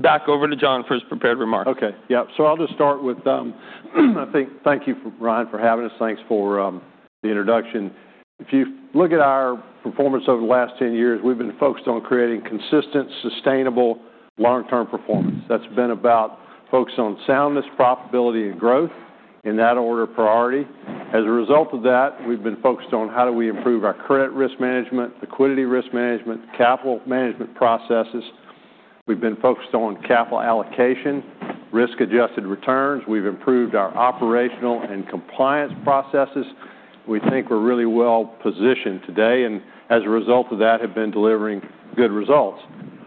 Back over to John for his prepared remarks. Okay. Yeah, so I'll just start with, I think, thank you, Ron, for having us. Thanks for the introduction. If you look at our performance over the last 10 years, we've been focused on creating consistent, sustainable, long-term performance. That's been about focusing on soundness, profitability, and growth, in that order of priority. As a result of that, we've been focused on how do we improve our credit risk management, liquidity risk management, capital management processes. We've been focused on capital allocation, risk-adjusted returns. We've improved our operational and compliance processes. We think we're really well-positioned today, and as a result of that, have been delivering good results.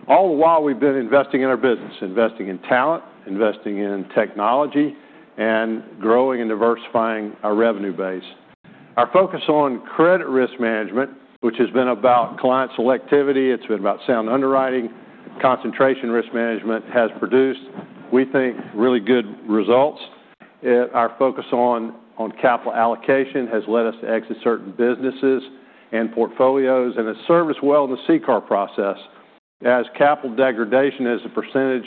All the while, we've been investing in our business, investing in talent, investing in technology, and growing and diversifying our revenue base. Our focus on credit risk management, which has been about client selectivity, it's been about sound underwriting, concentration risk management, has produced, we think, really good results. Our focus on capital allocation has led us to exit certain businesses and portfolios and have served us well in the CCAR process as capital degradation, as a percentage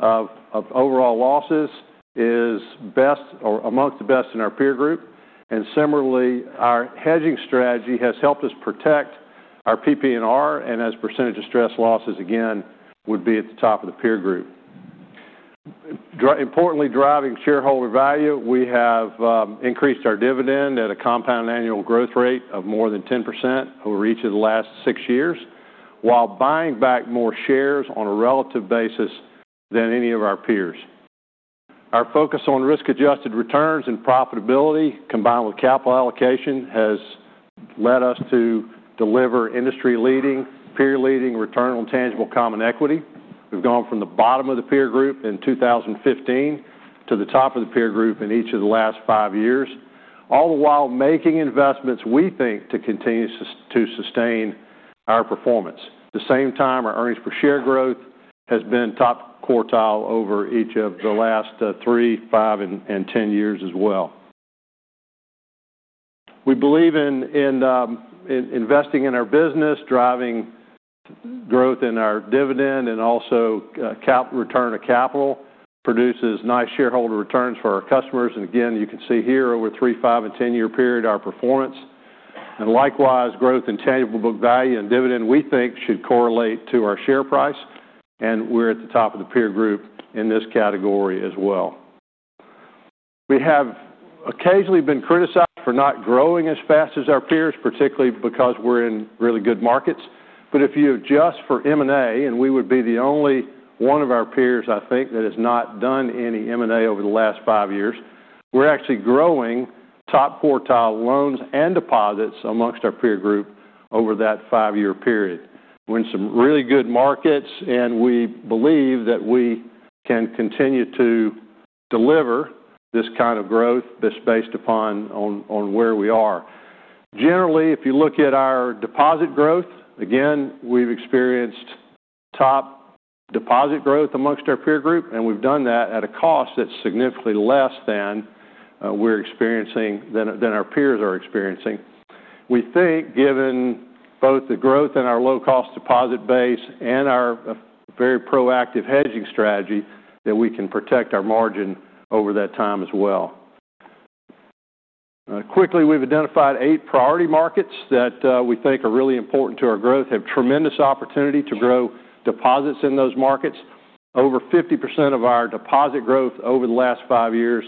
of overall losses, is best or amongst the best in our peer group. And similarly, our hedging strategy has helped us protect our PP&R, and as percentage of stress losses, again, would be at the top of the peer group. Importantly, driving shareholder value, we have increased our dividend at a compound annual growth rate of more than 10% over each of the last six years, while buying back more shares on a relative basis than any of our peers. Our focus on risk-adjusted returns and profitability, combined with capital allocation, has led us to deliver industry-leading, peer-leading return on tangible common equity. We've gone from the bottom of the peer group in 2015 to the top of the peer group in each of the last five years, all the while making investments, we think, to continue to sustain our performance. At the same time, our earnings per share growth has been top quartile over each of the last three, five, and 10 years as well. We believe in investing in our business, driving growth in our dividend, and also cap return to capital produces nice shareholder returns for our customers. And again, you can see here over three-, five-, and 10-year period, our performance and likewise growth in tangible book value and dividend, we think, should correlate to our share price, and we're at the top of the peer group in this category as well. We have occasionally been criticized for not growing as fast as our peers, particularly because we're in really good markets. But if you adjust for M&A, and we would be the only one of our peers, I think, that has not done any M&A over the last five years, we're actually growing top quartile loans and deposits amongst our peer group over that five-year period when some really good markets, and we believe that we can continue to deliver this kind of growth, this based upon where we are. Generally, if you look at our deposit growth, again, we've experienced top deposit growth amongst our peer group, and we've done that at a cost that's significantly less than we're experiencing than our peers are experiencing. We think, given both the growth and our low-cost deposit base and our very proactive hedging strategy, that we can protect our margin over that time as well. Quickly, we've identified eight priority markets that we think are really important to our growth, have tremendous opportunity to grow deposits in those markets. Over 50% of our deposit growth over the last five years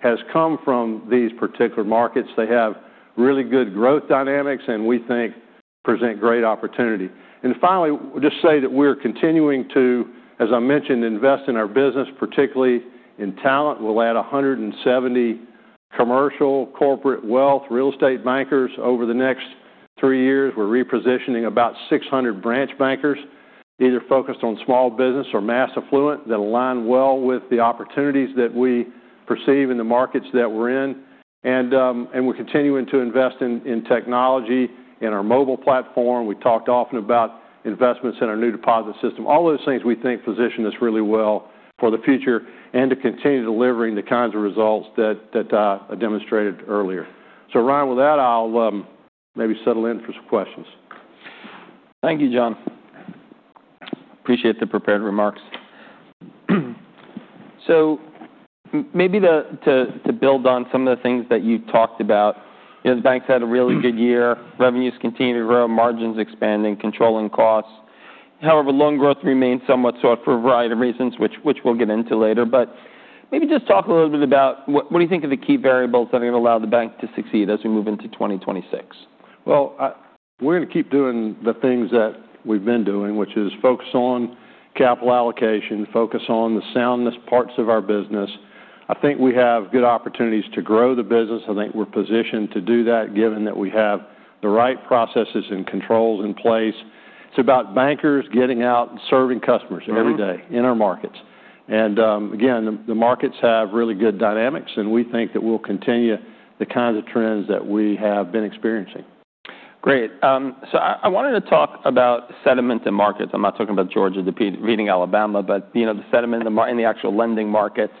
has come from these particular markets. They have really good growth dynamics, and we think present great opportunity. And finally, just say that we're continuing to, as I mentioned, invest in our business, particularly in talent. We'll add 170 commercial, corporate, wealth, real estate bankers over the next three years. We're repositioning about 600 branch bankers, either focused on small business or mass affluent, that align well with the opportunities that we perceive in the markets that we're in. We're continuing to invest in technology, in our mobile platform. We talked often about investments in our new deposit system. All those things we think position us really well for the future and to continue delivering the kinds of results that I demonstrated earlier. Ron, with that, I'll maybe settle in for some questions. Thank you, John. Appreciate the prepared remarks. So maybe to build on some of the things that you talked about, you know, the bank's had a really good year. Revenues continue to grow, margins expanding, controlling costs. However, loan growth remains somewhat slowed for a variety of reasons, which we'll get into later. But maybe just talk a little bit about what do you think are the key variables that are gonna allow the bank to succeed as we move into 2026? We're gonna keep doing the things that we've been doing, which is focus on capital allocation, focus on the soundness parts of our business. I think we have good opportunities to grow the business. I think we're positioned to do that given that we have the right processes and controls in place. It's about bankers getting out and serving customers every day in our markets, and again, the markets have really good dynamics, and we think that we'll continue the kinds of trends that we have been experiencing. Great. So I wanted to talk about sentiment in markets. I'm not talking about Georgia deep-beating Alabama, but, you know, the sentiment in the markets in the actual lending markets.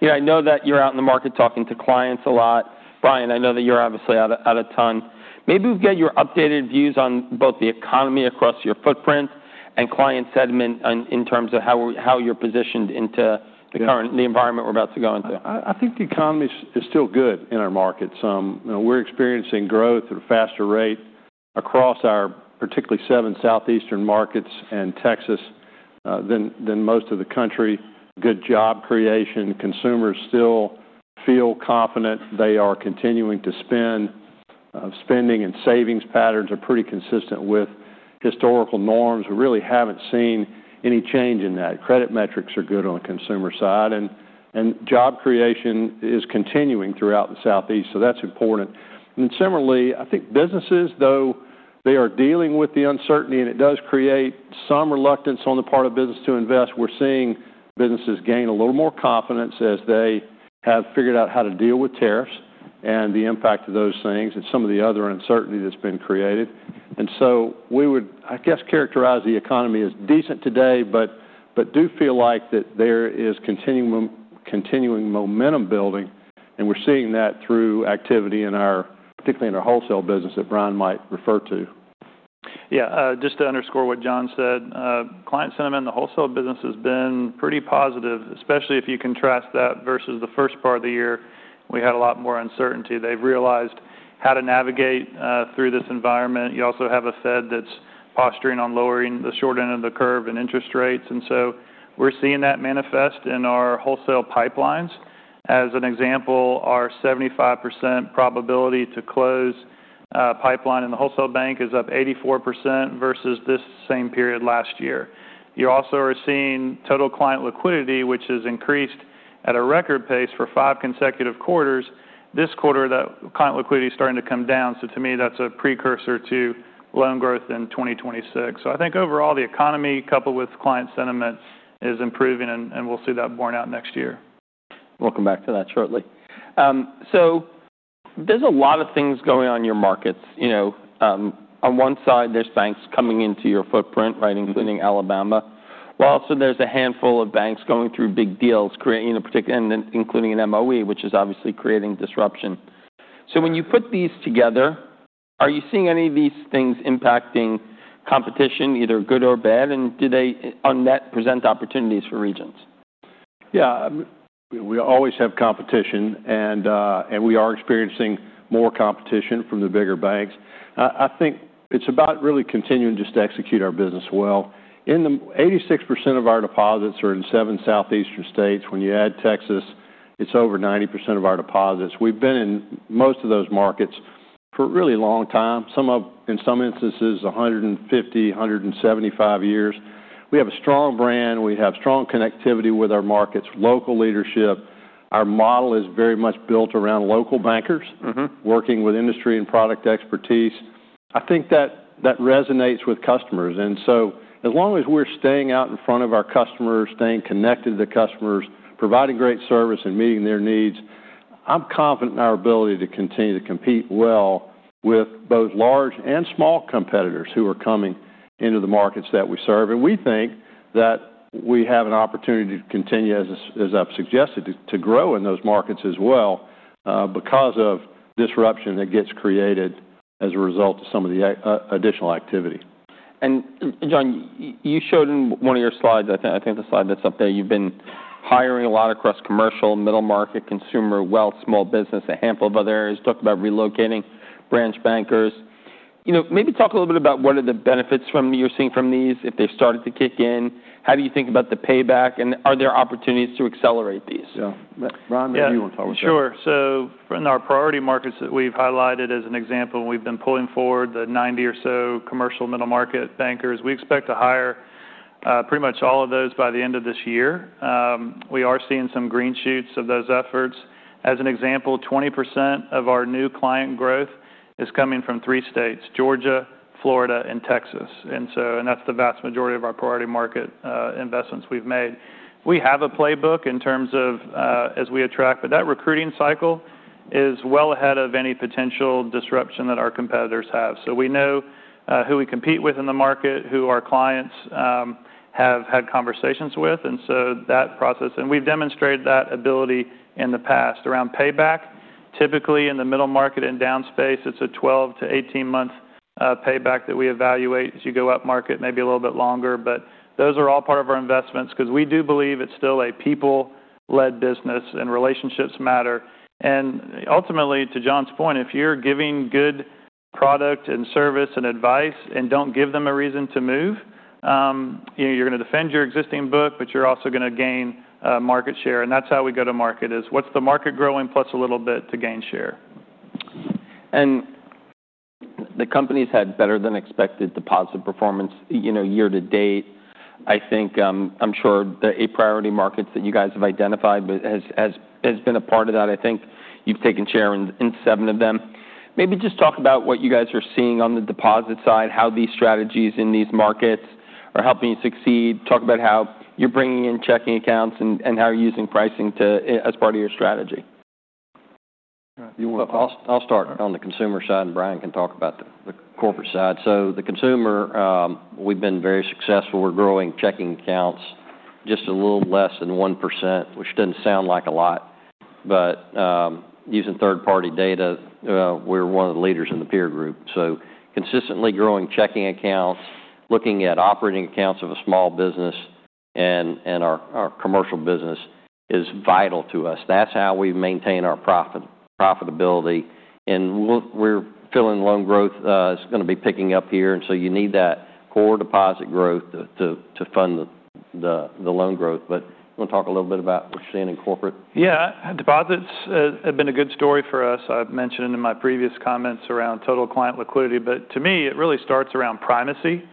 You know, I know that you're out in the market talking to clients a lot. Brian, I know that you're obviously out of town. Maybe we'll get your updated views on both the economy across your footprint and client sentiment in terms of how we, how you're positioned into the current environment we're about to go into. I think the economy is still good in our markets. You know, we're experiencing growth at a faster rate across our particularly seven Southeastern markets and Texas, than most of the country. Good job creation. Consumers still feel confident they are continuing to spend. Spending and savings patterns are pretty consistent with historical norms. We really haven't seen any change in that. Credit metrics are good on the consumer side, and job creation is continuing throughout the Southeast, so that's important. And then similarly, I think businesses, though they are dealing with the uncertainty, and it does create some reluctance on the part of business to invest, we're seeing businesses gain a little more confidence as they have figured out how to deal with tariffs and the impact of those things and some of the other uncertainty that's been created. And so we would, I guess, characterize the economy as decent today, but do feel like that there is continuing momentum building, and we're seeing that through activity particularly in our wholesale business that Brian might refer to. Yeah. Just to underscore what John said, client sentiment in the wholesale business has been pretty positive, especially if you contrast that versus the first part of the year. We had a lot more uncertainty. They've realized how to navigate through this environment. You also have a Fed that's posturing on lowering the short end of the curve in interest rates, and so we're seeing that manifest in our wholesale pipelines. As an example, our 75% probability to close pipeline in the wholesale bank is up 84% versus this same period last year. You also are seeing total client liquidity, which has increased at a record pace for five consecutive quarters. This quarter, that client liquidity is starting to come down, so to me, that's a precursor to loan growth in 2026. So I think overall the economy, coupled with client sentiment, is improving, and we'll see that borne out next year. We'll come back to that shortly. So there's a lot of things going on in your markets. You know, on one side, there's banks coming into your footprint, right, including Alabama. Well, so there's a handful of banks going through big deals, creating a particular and including an MOE, which is obviously creating disruption. So when you put these together, are you seeing any of these things impacting competition, either good or bad, and do they on that present opportunities for Regions? Yeah. We always have competition, and we are experiencing more competition from the bigger banks. I think it's about really continuing to just execute our business well. In the 86% of our deposits are in seven Southeastern states. When you add Texas, it's over 90% of our deposits. We've been in most of those markets for a really long time, some in some instances 150-175 years. We have a strong brand. We have strong connectivity with our markets, local leadership. Our model is very much built around local bankers. Mm-hmm. Working with industry and product expertise. I think that resonates with customers, and so as long as we're staying out in front of our customers, staying connected to the customers, providing great service, and meeting their needs, I'm confident in our ability to continue to compete well with both large and small competitors who are coming into the markets that we serve, and we think that we have an opportunity to continue, as I've suggested, to grow in those markets as well, because of disruption that gets created as a result of some of the additional activity. John, you showed in one of your slides, I think, the slide that's up there. You've been hiring a lot across commercial, middle market, consumer, wealth, small business, a handful of other areas. You talked about relocating branch bankers. You know, maybe talk a little bit about what are the benefits you're seeing from these if they've started to kick in. How do you think about the payback, and are there opportunities to accelerate these? Yeah. Brian, maybe you wanna talk about that. Yeah. Sure. So in our priority markets that we've highlighted as an example, we've been pulling forward the 90 or so commercial middle market bankers we expect to hire, pretty much all of those by the end of this year. We are seeing some green shoots of those efforts. As an example, 20% of our new client growth is coming from three states: Georgia, Florida, and Texas, and so and that's the vast majority of our priority market investments we've made. We have a playbook in terms of as we attract but that recruiting cycle is well ahead of any potential disruption that our competitors have, so we know who we compete with in the market who our clients have had conversations with, and so that process and we've demonstrated that ability in the past around payback. Typically, in the middle market and down space, it's a 12-18-month payback that we evaluate as you go up market, maybe a little bit longer, but those are all part of our investments 'cause we do believe it's still a people-led business, and relationships matter, and ultimately, to John's point, if you're giving good product and service and advice and don't give them a reason to move, you know, you're gonna defend your existing book, but you're also gonna gain market share, and that's how we go to market is what's the market growing plus a little bit to gain share And the company's had better than expected deposit performance, you know, year to date. I think, I'm sure the eight priority markets that you guys have identified, but has been a part of that. I think you've taken share in seven of them. Maybe just talk about what you guys are seeing on the deposit side, how these strategies in these markets are helping you succeed. Talk about how you're bringing in checking accounts and how you're using pricing, too, as part of your strategy. You want to? Well, I'll start on the consumer side, and Brian can talk about the corporate side. So the consumer, we've been very successful. We're growing checking accounts just a little less than 1%, which doesn't sound like a lot. But using third-party data, we're one of the leaders in the peer group. So consistently growing checking accounts, looking at operating accounts of a small business and our commercial business is vital to us. That's how we maintain our profitability. And we're feeling loan growth is gonna be picking up here. And so you need that core deposit growth to fund the loan growth. But you wanna talk a little bit about what you're seeing in corporate? Yeah. Deposits have been a good story for us. I've mentioned in my previous comments around total client liquidity. But to me, it really starts around primacy.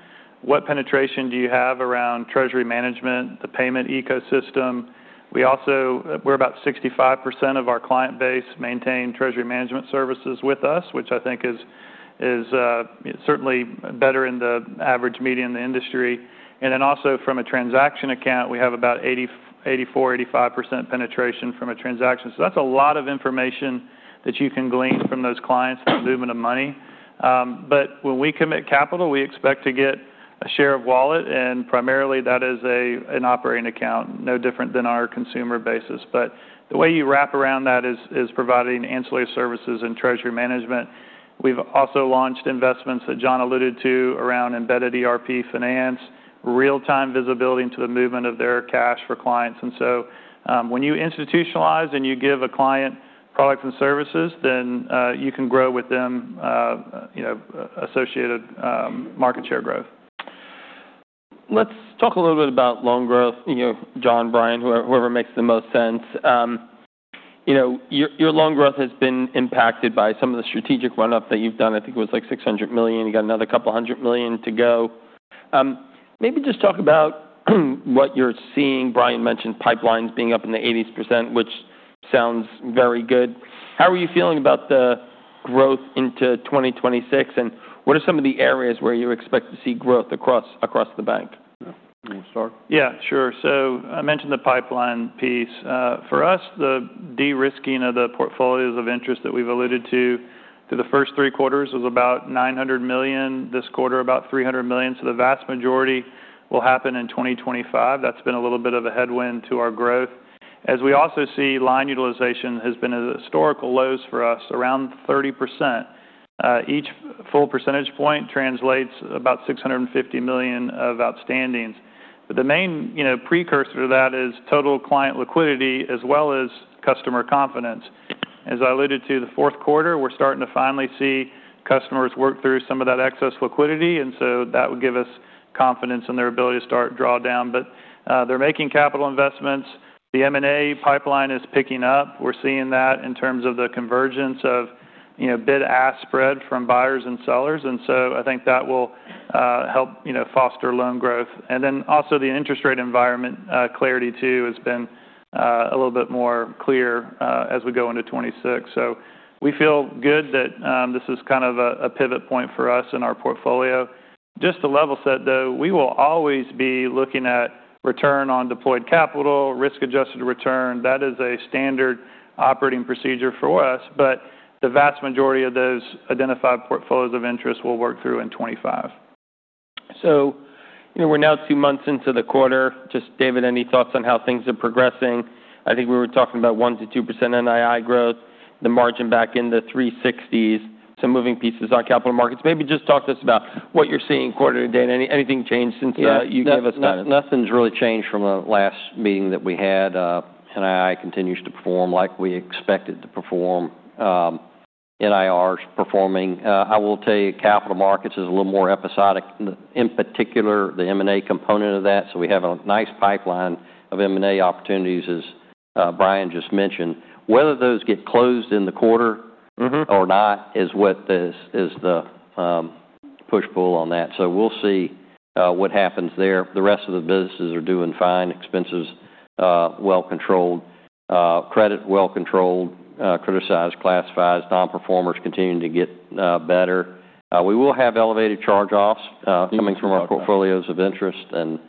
What penetration do you have around treasury management, the payment ecosystem? We also, we're about 65% of our client base maintain treasury management services with us, which I think is certainly better in the average median in the industry. And then also from a transaction account, we have about 80%-85% penetration from a transaction. So that's a lot of information that you can glean from those clients, that movement of money. But when we commit capital, we expect to get a share of wallet, and primarily that is an operating account, no different than our consumer basis. But the way you wrap around that is providing ancillary services in treasury management. We've also launched investments that John alluded to around embedded ERP finance, real-time visibility into the movement of their cash for clients, and so, when you institutionalize and you give a client products and services, then you can grow with them, you know, associated market share growth. Let's talk a little bit about loan growth, you know, John, Brian, whoever, whoever makes the most sense. You know, your, your loan growth has been impacted by some of the strategic run-up that you've done. I think it was like $600 million. You got another couple hundred million to go. Maybe just talk about what you're seeing. Brian mentioned pipelines being up in the 80s%, which sounds very good. How are you feeling about the growth into 2026, and what are some of the areas where you expect to see growth across, across the bank? You wanna start? Yeah. Sure. So I mentioned the pipeline piece. For us, the de-risking of the portfolios of interest that we've alluded to through the first three quarters was about $900 million. This quarter, about $300 million. So the vast majority will happen in 2025. That's been a little bit of a headwind to our growth. As we also see, line utilization has been at historical lows for us, around 30%. Each full percentage point translates about $650 million of outstandings. But the main, you know, precursor to that is total client liquidity as well as customer confidence. As I alluded to, the fourth quarter, we're starting to finally see customers work through some of that excess liquidity. And so that would give us confidence in their ability to start drawdown. But they're making capital investments. The M&A pipeline is picking up. We're seeing that in terms of the convergence of, you know, bid-ask spread from buyers and sellers, and so I think that will help, you know, foster loan growth, and then also the interest rate environment, clarity too has been a little bit more clear, as we go into 2026, so we feel good that this is kind of a pivot point for us in our portfolio. Just to level set, though, we will always be looking at return on deployed capital, risk-adjusted return. That is a standard operating procedure for us, but the vast majority of those identified portfolios of interest will work through in 2025. So, you know, we're now two months into the quarter. Just, David, any thoughts on how things are progressing? I think we were talking about 1%-2% NII growth, the margin back in the 360s, some moving pieces on capital markets. Maybe just talk to us about what you're seeing quarter to date. Anything changed since you gave us that? Yeah. Nothing's really changed from the last meeting that we had. NII continues to perform like we expected to perform. NIR's performing. I will tell you capital markets is a little more episodic, in particular the M&A component of that. So we have a nice pipeline of M&A opportunities, as Brian just mentioned. Whether those get closed in the quarter. Mm-hmm. Or not, what is the push-pull on that. So we'll see what happens there. The rest of the businesses are doing fine. Expenses well controlled. Credit well controlled. Criticized classifieds. Non-performers continuing to get better. We will have elevated charge-offs coming from our portfolios of interest. And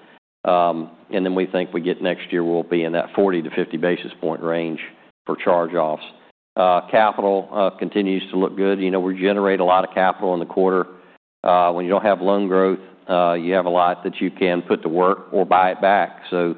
then we think we get next year, we'll be in that 40-50 basis point range for charge-offs. Capital continues to look good. You know, we generate a lot of capital in the quarter. When you don't have loan growth, you have a lot that you can put to work or buy it back. So,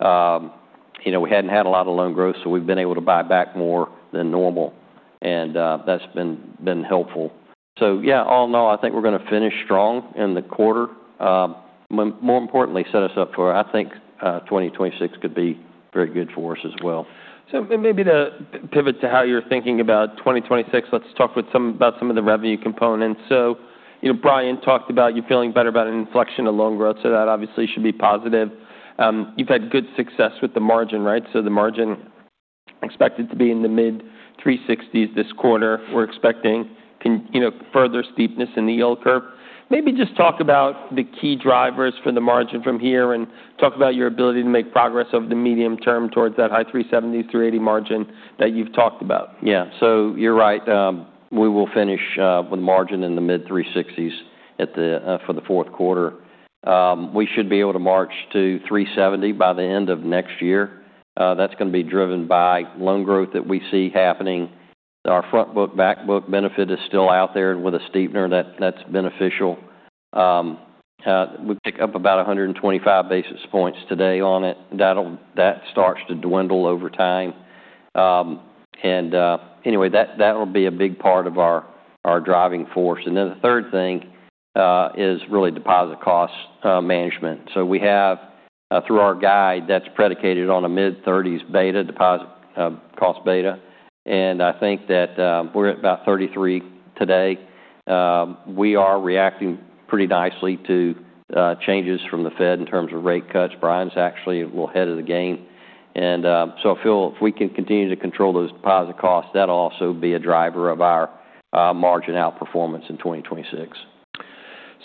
you know, we hadn't had a lot of loan growth, so we've been able to buy back more than normal. And that's been helpful. So, yeah, all in all, I think we're gonna finish strong in the quarter. More importantly, set us up for, I think, 2026 could be very good for us as well. So maybe to pivot to how you're thinking about 2026, let's talk with some about some of the revenue components. So, you know, Brian talked about you feeling better about an inflection of loan growth. So that obviously should be positive. You've had good success with the margin, right? So the margin expected to be in the mid 360s this quarter. We're expecting, you know, further steepness in the yield curve. Maybe just talk about the key drivers for the margin from here and talk about your ability to make progress over the medium term towards that high 370s, 380 margin that you've talked about. Yeah. So you're right. We will finish with margin in the mid-360s for the fourth quarter. We should be able to march to 370 by the end of next year. That's gonna be driven by loan growth that we see happening. Our front book, back book benefit is still out there with a steepener that's beneficial. We picked up about 125 basis points today on it. That'll start to dwindle over time. Anyway, that will be a big part of our driving force. And then the third thing is really deposit cost management. So we have through our guide that's predicated on a mid-30s deposit cost beta. And I think that we're at about 33 today. We are reacting pretty nicely to changes from the Fed in terms of rate cuts. Brian's actually a little ahead of the game. I feel if we can continue to control those deposit costs, that'll also be a driver of our margin outperformance in 2026.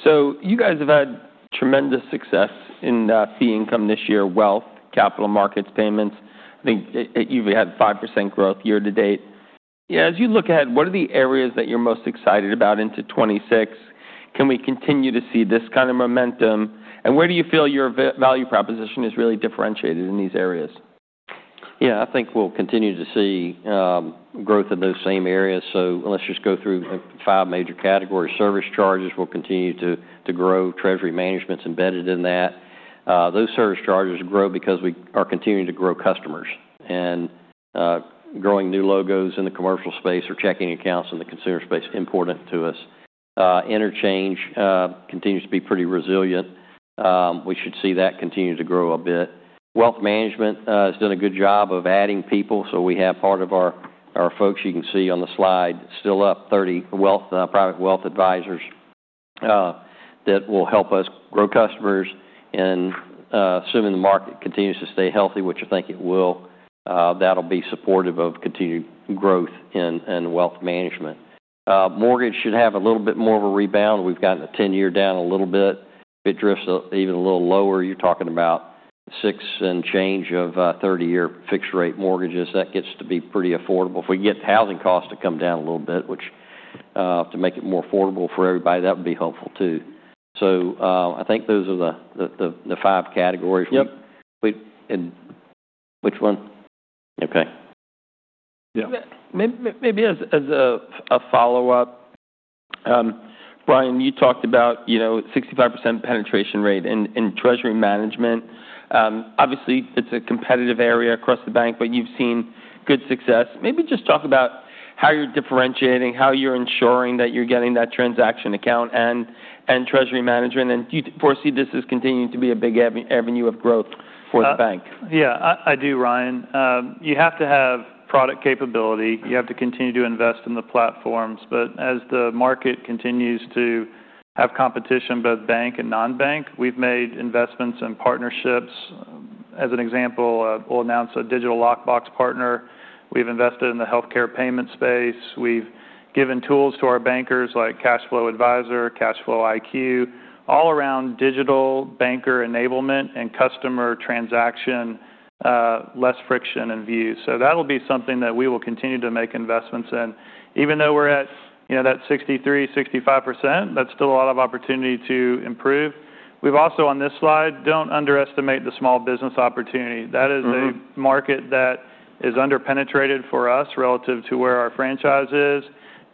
So you guys have had tremendous success in fee income this year, wealth, capital markets, payments. I think you've had 5% growth year to date. Yeah. As you look ahead, what are the areas that you're most excited about into 2026? Can we continue to see this kind of momentum? And where do you feel your value proposition is really differentiated in these areas? Yeah. I think we'll continue to see growth in those same areas. So let's just go through five major categories. Service charges will continue to grow. Treasury management's embedded in that. Those service charges grow because we are continuing to grow customers and growing new logos in the commercial space or checking accounts in the consumer space, important to us. Interchange continues to be pretty resilient. We should see that continue to grow a bit. Wealth management has done a good job of adding people. So we have part of our folks you can see on the slide still up, 30 wealth private wealth advisors, that will help us grow customers. And assuming the market continues to stay healthy, which I think it will, that'll be supportive of continued growth in wealth management. Mortgage should have a little bit more of a rebound. We've gotten a 10-year down a little bit. If it drifts even a little lower, you're talking about six and change on 30-year fixed-rate mortgages. That gets to be pretty affordable. If we get housing costs to come down a little bit, which to make it more affordable for everybody, that would be helpful too. So, I think those are the five categories. Yep. We and which one? Okay. Yeah. Maybe as a follow-up, Brian, you talked about, you know, 65% penetration rate in treasury management. Obviously, it's a competitive area across the bank, but you've seen good success. Maybe just talk about how you're differentiating, how you're ensuring that you're getting that transaction account and treasury management. And do you foresee this as continuing to be a big avenue of growth for the bank? Yeah. I do, Ryan. You have to have product capability. You have to continue to invest in the platforms. But as the market continues to have competition, both bank and non-bank, we've made investments in partnerships. As an example, we'll announce a digital lockbox partner. We've invested in the healthcare payment space. We've given tools to our bankers like CashFlow Advisor, CashFlow IQ, all around digital banker enablement and customer transaction, less friction and views. So that'll be something that we will continue to make investments in. Even though we're at, you know, that 63%-65%, that's still a lot of opportunity to improve. We've also on this slide, don't underestimate the small business opportunity. That is a market that is underpenetrated for us relative to where our franchise is.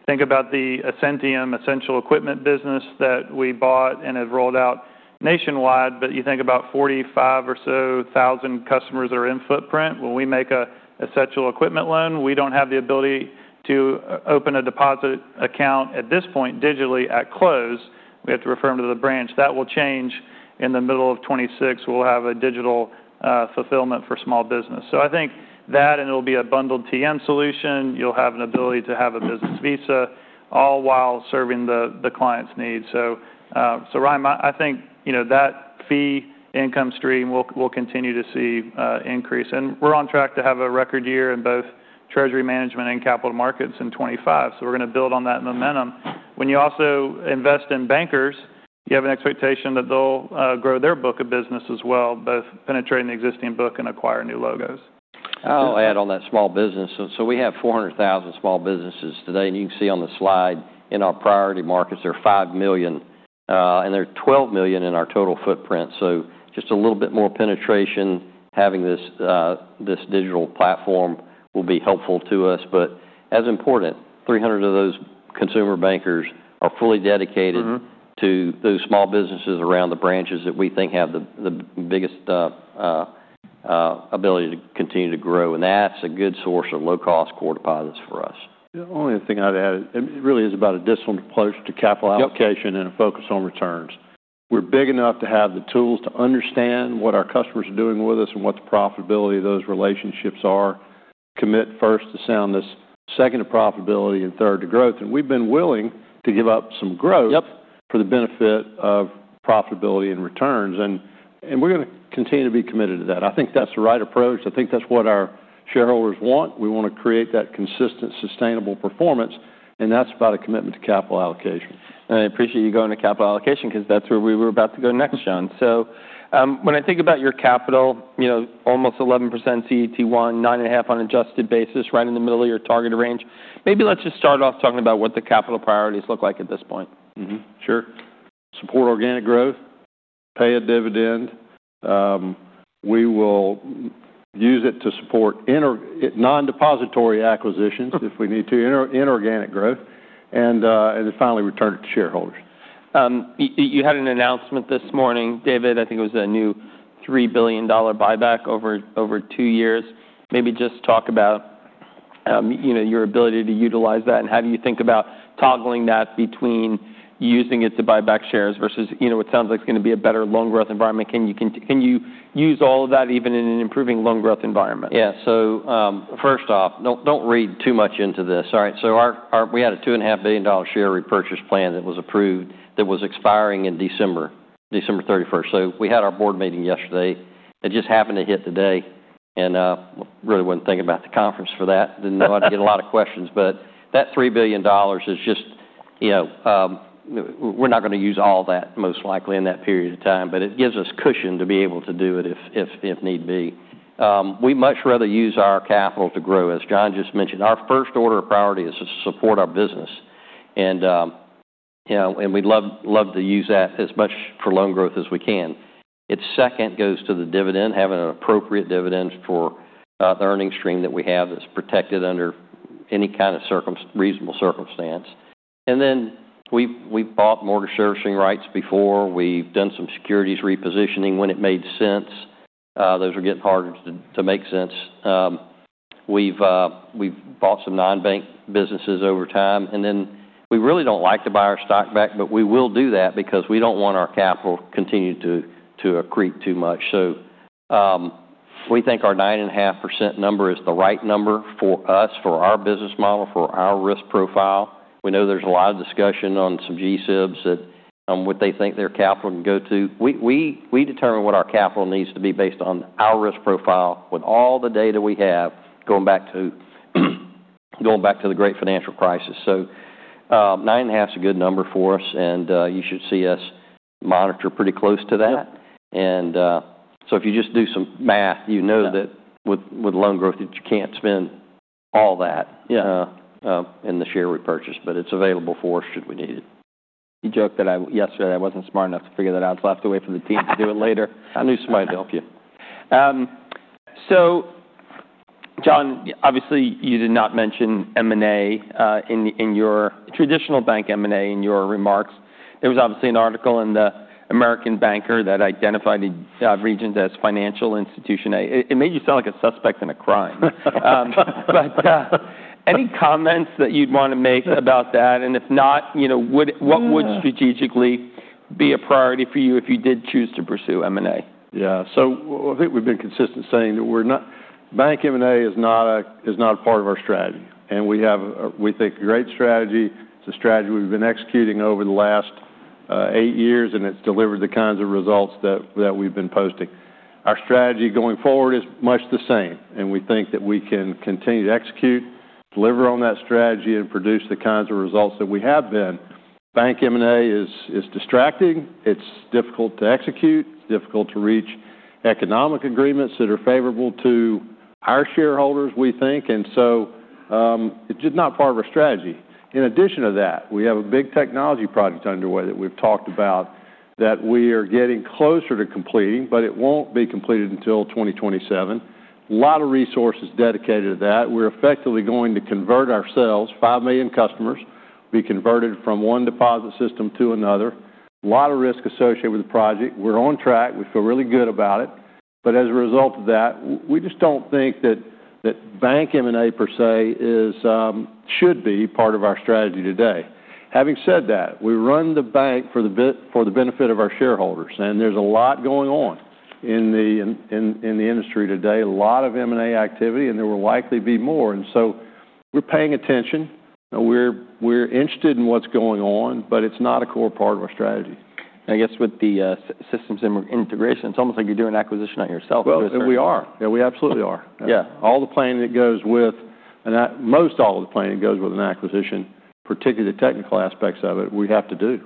Think about the Ascentium essential equipment business that we bought and have rolled out nationwide. But you think about 45 or so thousand customers that are in footprint. When we make a essential equipment loan, we don't have the ability to open a deposit account at this point digitally at close. We have to refer them to the branch. That will change in the middle of 2026. We'll have a digital fulfillment for small business. So I think that and it'll be a bundled TM solution. You'll have an ability to have a business Visa all while serving the client's needs. So Ron, I think you know that fee income stream will continue to see increase. And we're on track to have a record year in both treasury management and capital markets in 2025. So we're gonna build on that momentum. When you also invest in bankers, you have an expectation that they'll grow their book of business as well, both penetrating the existing book and acquiring new logos. I'll add on that small business, and so we have 400,000 small businesses today, and you can see on the slide in our priority markets, there are five million, and there are 12 million in our total footprint, so just a little bit more penetration, having this, this digital platform will be helpful to us, but as important, 300 of those consumer bankers are fully dedicated. Mm-hmm. To those small businesses around the branches that we think have the biggest ability to continue to grow, and that's a good source of low-cost core deposits for us. The only thing I'd add, it really is about a disciplined approach to capital allocation and a focus on returns. We're big enough to have the tools to understand what our customers are doing with us and what the profitability of those relationships are. Commit first to soundness, second to profitability, and third to growth. And we've been willing to give up some growth. Yep. For the benefit of profitability and returns. And we're gonna continue to be committed to that. I think that's the right approach. I think that's what our shareholders want. We wanna create that consistent, sustainable performance. And that's about a commitment to capital allocation. And I appreciate you going to capital allocation 'cause that's where we were about to go next, John. So, when I think about your capital, you know, almost 11% CET1, 9.5% on adjusted basis, right in the middle of your target range. Maybe let's just start off talking about what the capital priorities look like at this point. Mm-hmm. Sure, support organic growth, pay a dividend. We will use it to support in non-depository acquisitions if we need to, in organic growth, and then finally return it to shareholders. You had an announcement this morning, David. I think it was a new $3 billion buyback over two years. Maybe just talk about, you know, your ability to utilize that and how do you think about toggling that between using it to buy back shares versus, you know, it sounds like it's gonna be a better loan growth environment. Can you use all of that even in an improving loan growth environment? Yeah, so first off, don't read too much into this. All right, so we had a $2.5 billion share repurchase plan that was approved that was expiring in December 31st, so we had our board meeting yesterday. It just happened to hit today, and really wasn't thinking about the conference for that. Didn't know I'd get a lot of questions, but that $3 billion is just, you know, we're not gonna use all that most likely in that period of time, but it gives us cushion to be able to do it if need be. We'd much rather use our capital to grow, as John just mentioned. Our first order of priority is to support our business, and, you know, and we'd love to use that as much for loan growth as we can. Its second goes to the dividend, having an appropriate dividend for the earnings stream that we have that's protected under any kind of circumstance, reasonable circumstance. And then we've bought mortgage servicing rights before. We've done some securities repositioning when it made sense. Those are getting harder to make sense. We've bought some non-bank businesses over time. And then we really don't like to buy our stock back, but we will do that because we don't want our capital continuing to accrete too much. So, we think our 9.5% number is the right number for us, for our business model, for our risk profile. We know there's a lot of discussion on some GSIBs that what they think their capital can go to. We determine what our capital needs to be based on our risk profile with all the data we have going back to the Great Financial Crisis. So, nine and a half is a good number for us. And you should see us monitor pretty close to that. And so if you just do some math, you know that with loan growth, you can't spend all that in the share repurchase. But it's available for us should we need it. You joked that yesterday I wasn't smart enough to figure that out. I was left away from the team to do it later. I knew somebody to help you. So, John, obviously you did not mention M&A in your traditional bank M&A in your remarks. There was obviously an article in the American Banker that identified Regions as financial institution. It made you sound like a suspect in a crime, but any comments that you'd wanna make about that? And if not, you know, what would strategically be a priority for you if you did choose to pursue M&A? Yeah, so I think we've been consistent saying that bank M&A is not a part of our strategy. We have what we think is a great strategy. It's a strategy we've been executing over the last eight years, and it's delivered the kinds of results that we've been posting. Our strategy going forward is much the same, and we think that we can continue to execute, deliver on that strategy, and produce the kinds of results that we have been. Bank M&A is distracting. It's difficult to execute. It's difficult to reach economic agreements that are favorable to our shareholders, we think, and so it's just not part of our strategy. In addition to that, we have a big technology project underway that we've talked about that we are getting closer to completing, but it won't be completed until 2027. A lot of resources dedicated to that. We're effectively going to convert ourselves, 5 million customers, be converted from one deposit system to another. A lot of risk associated with the project. We're on track. We feel really good about it, but as a result of that, we just don't think that bank M&A per se should be part of our strategy today. Having said that, we run the bank for the benefit of our shareholders, and there's a lot going on in the industry today, a lot of M&A activity, and there will likely be more, and so we're paying attention. We're interested in what's going on, but it's not a core part of our strategy. I guess with the systems integration, it's almost like you're doing an acquisition on yourself with this. We are. Yeah. We absolutely are. Yeah. All the planning that goes with, and most all of the planning that goes with an acquisition, particularly the technical aspects of it, we have to do.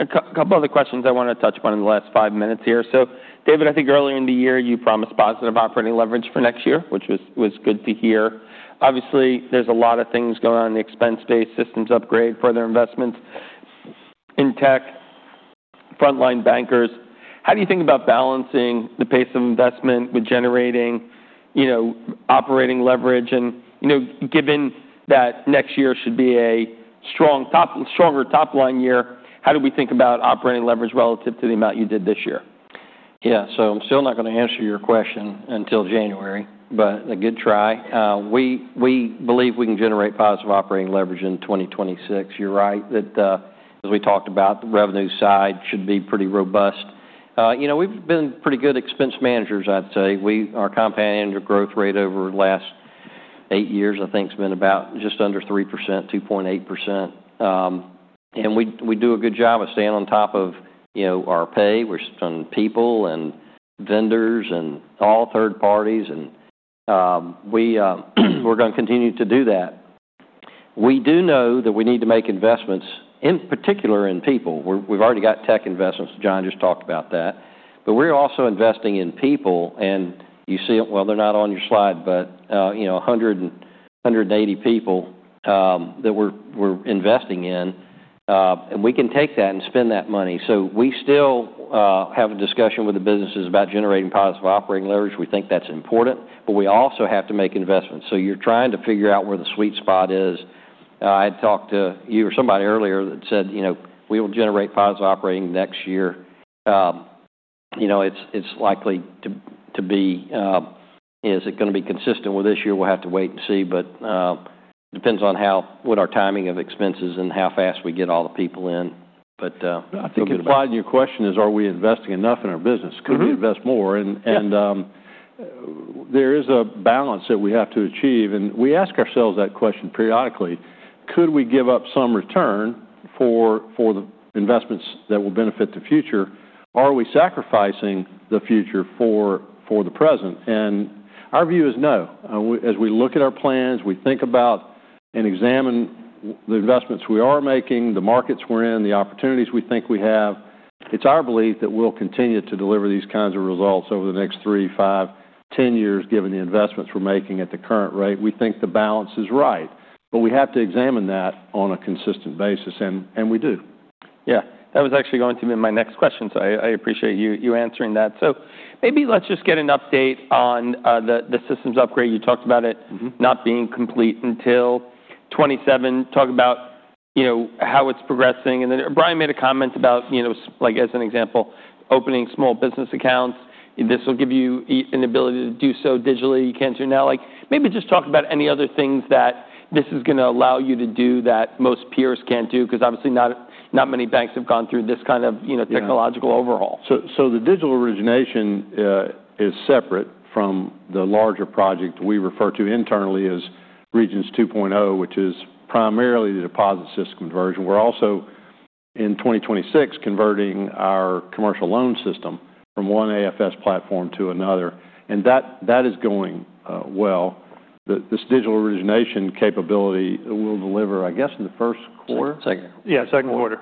A couple other questions I wanna touch upon in the last five minutes here. So, David, I think earlier in the year you promised positive operating leverage for next year, which was good to hear. Obviously, there's a lot of things going on in the expense-based systems upgrade, further investments in tech, frontline bankers. How do you think about balancing the pace of investment with generating, you know, operating leverage? And, you know, given that next year should be a strong top, stronger top line year, how do we think about operating leverage relative to the amount you did this year? Yeah. So I'm still not gonna answer your question until January, but a good try. We believe we can generate positive operating leverage in 2026. You're right that, as we talked about, the revenue side should be pretty robust. You know, we've been pretty good expense managers, I'd say. Our compounding growth rate over the last eight years, I think, has been about just under 3%, 2.8%, and we do a good job of staying on top of, you know, our pay. We're spending people and vendors and all third parties, and we're gonna continue to do that. We do know that we need to make investments in particular in people. We've already got tech investments. John just talked about that, but we're also investing in people. And you see, well, they're not on your slide, but you know, 100 and 180 people that we're investing in. And we can take that and spend that money. So we still have a discussion with the businesses about generating positive operating leverage. We think that's important. But we also have to make investments. So you're trying to figure out where the sweet spot is. I had talked to you or somebody earlier that said, you know, we will generate positive operating next year. You know, it's likely to be. Is it gonna be consistent with this year? We'll have to wait and see. But depends on how what our timing of expenses and how fast we get all the people in. But I think the bottom of your question is, are we investing enough in our business? Could we invest more? And there is a balance that we have to achieve. And we ask ourselves that question periodically. Could we give up some return for the investments that will benefit the future? Are we sacrificing the future for the present? And our view is no. As we look at our plans, we think about and examine the investments we are making, the markets we're in, the opportunities we think we have. It's our belief that we'll continue to deliver these kinds of results over the next three, five, 10 years, given the investments we're making at the current rate. We think the balance is right. But we have to examine that on a consistent basis. And we do. Yeah. That was actually going to be my next question. So I appreciate you answering that. So maybe let's just get an update on the systems upgrade. You talked about it not being complete until 2027. Talk about, you know, how it's progressing. And then Brian made a comment about, you know, like as an example, opening small business accounts. This will give you an ability to do so digitally, you can't do now. Like maybe just talk about any other things that this is gonna allow you to do that most peers can't do. 'Cause obviously not many banks have gone through this kind of, you know, technological overhaul. So, the digital origination is separate from the larger project we refer to internally as Regions 2.0, which is primarily the deposit system conversion. We're also in 2026 converting our commercial loan system from one AFS platform to another. And that is going well. This digital origination capability will deliver, I guess, in the first quarter. Second quarter.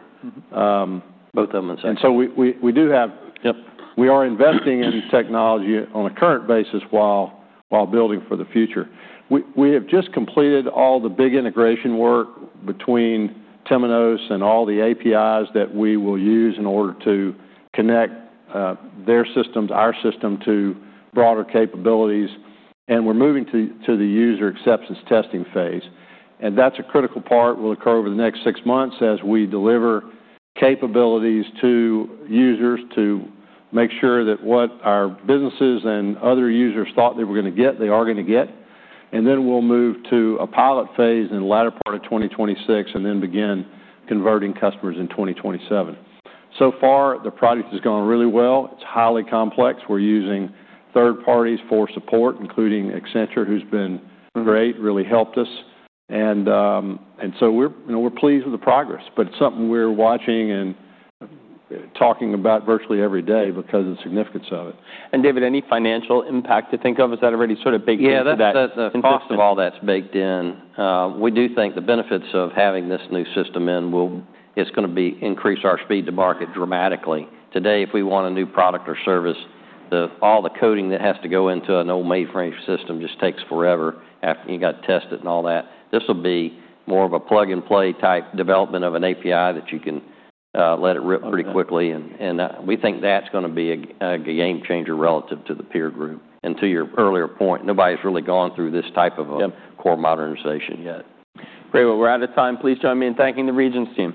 Both of them and second. And so we do have. Yep. We are investing in technology on a current basis while building for the future. We have just completed all the big integration work between Timonos and all the APIs that we will use in order to connect their systems, our system to broader capabilities, and we're moving to the user acceptance testing phase, and that's a critical part. It will occur over the next six months as we deliver capabilities to users to make sure that what our businesses and other users thought they were gonna get, they are gonna get, and then we'll move to a pilot phase in the latter part of 2026 and then begin converting customers in 2027, so far, the project has gone really well. It's highly complex. We're using third parties for support, including Accenture, who's been great, really helped us. And so, you know, we're pleased with the progress. But it's something we're watching and talking about virtually every day because of the significance of it. And David, any financial impact to think of? Is that already sort of baked into that? Yeah. That's the first of all that's baked in. We do think the benefits of having this new system in will. It's gonna be increase our speed to market dramatically. Today, if we want a new product or service, all the coding that has to go into an old mainframe system just takes forever after you got to test it and all that. This will be more of a plug and play type development of an API that you can let it rip pretty quickly. And we think that's gonna be a game changer relative to the peer group, and to your earlier point, nobody's really gone through this type of a core modernization yet. Great. Well, we're out of time. Please join me in thanking the Regions Team.